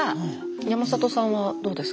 山里さんはどうですか？